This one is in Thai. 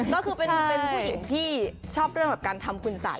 ก็คือเป็นผู้หญิงที่ชอบเรื่องแบบการทำคุณสัย